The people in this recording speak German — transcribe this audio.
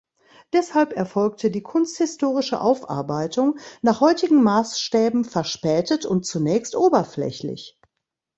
Deshalb erfolgte die kunsthistorische Aufarbeitung nach heutigen Maßstäben verspätet und zunächst oberflächlich.